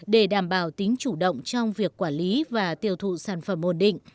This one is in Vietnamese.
để đảm bảo tính chủ động trong việc quản lý và tiêu thụ sản phẩm ổn định